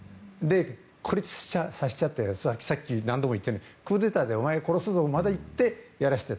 孤立させちゃってさっき何度も言ったようにクーデターでお前を殺すぞとまで言っていた。